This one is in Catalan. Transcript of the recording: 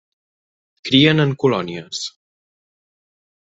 Crien en colònies.